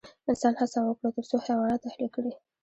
انسان هڅه وکړه تر څو حیوانات اهلي کړي.